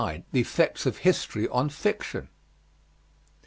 THE EFFECTS OF HISTORY ON FICTION.